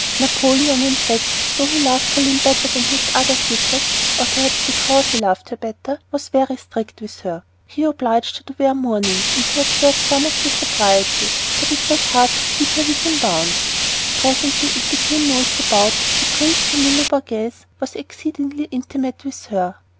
Napoleon, in fact, though he loved Pauline better than his other sisters or perhaps because he loved her better was very strict with her. He obliged her to wear mourning, and to observe some of the proprieties; but it was hard to keep her within bounds. Presently it became noised about that Prince Camillo Borghese was exceedingly intimate with her.